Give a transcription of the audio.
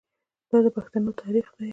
دا د پښتنو تاریخ دی.